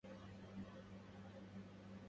ما كل ذات مخلب وناب